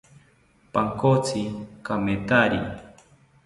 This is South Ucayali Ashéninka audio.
Pankotzi kamethari